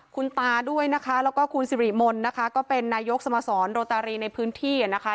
คุณตาด้วยนะคะแล้วก็คุณสิริมนต์นะคะก็เป็นนายกสมสรโรตารีในพื้นที่นะคะ